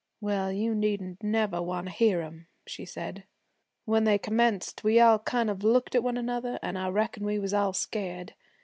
'Well, you needn't never want to hear 'em,' she said. 'When they commenced we all kind of looked at one another, an' I reckon we was all scared.